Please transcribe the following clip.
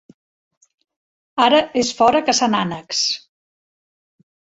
Ara és fora caçant ànecs.